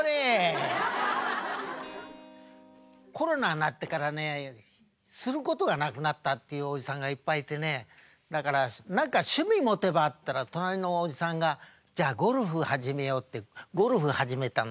コロナになってからねすることがなくなったっていうおじさんがいっぱいいてねだから「何か趣味持てば？」って言ったら隣のおじさんが「じゃあゴルフ始めよう」ってゴルフ始めたの。